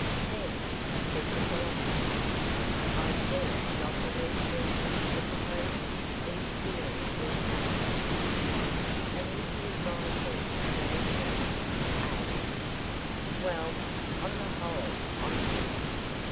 "Then," said the philosopher, "I see not the least reason for supposing that his feelings will change." "And would you advise her to marry the other A?" "Well, on the whole, I should.